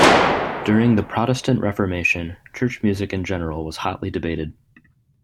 During the Protestant Reformation, church music in general was hotly debated.